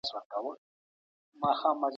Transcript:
ایا تکړه پلورونکي چارمغز اخلي؟